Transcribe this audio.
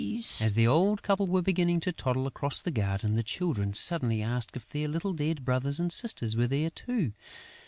As the old couple were beginning to toddle across the garden, the children suddenly asked if their little dead brothers and sisters were there too.